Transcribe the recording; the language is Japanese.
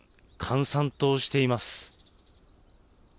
閑散としています。